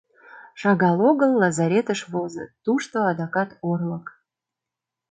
Шагал огыл лазаретыш возыт, тушто адакат орлык.